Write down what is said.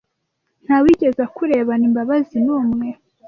Nta wigeze akurebana imbabazi numwe